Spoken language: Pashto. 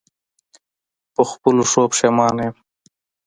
په خپلو ښو پښېمانه یم.